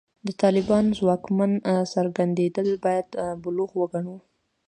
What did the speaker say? د طالبانو ځواکمن څرګندېدل باید بلوغ وګڼو.